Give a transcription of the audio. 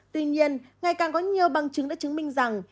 tuy nhiên ngày càng có nhiều bằng chứng đã chứng minh rằng